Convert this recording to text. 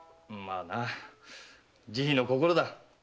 まあな慈悲の心だ。